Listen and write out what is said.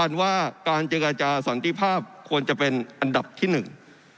สำคัญว่าการเจอกับอาจารย์สอนที่ภาพควรจะเป็นอันดับที่หนึ่ง